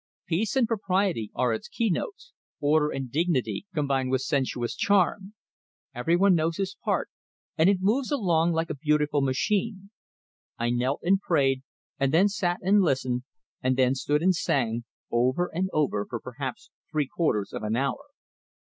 Peace and propriety are its keynotes; order and dignity, combined with sensuous charm. Everyone knows his part, and it moves along like a beautiful machine. I knelt and prayed, and then sat and listened, and then stood and sang over and over for perhaps three quarters of an hour.